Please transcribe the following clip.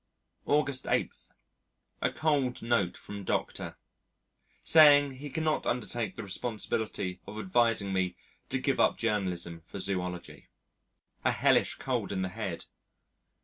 August 8. A cold note from Dr. saying that he cannot undertake the responsibility of advising me to give up journalism for zoology. A hellish cold in the head.